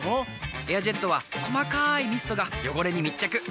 「エアジェット」は細かいミストが汚れに密着。